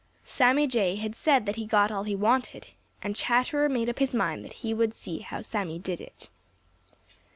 Sammy Jay had said that he got all he wanted, and Chatterer made up his mind that he would see how Sammy did it.